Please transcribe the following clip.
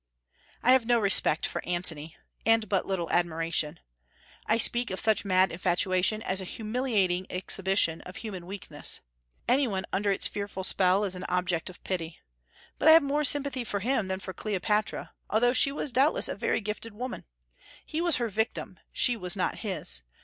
I have no respect for Antony, and but little admiration. I speak of such mad infatuation as a humiliating exhibition of human weakness. Any one under its fearful spell is an object of pity. But I have more sympathy for him than for Cleopatra, although she was doubtless a very gifted woman. He was her victim; she was not his.